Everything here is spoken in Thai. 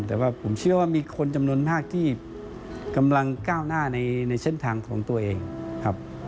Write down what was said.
แต่ว่าผมเชื่อว่ามีคนจำนวนมากที่กำลังก้าวหน้าในเส้นทางของตัวเองครับ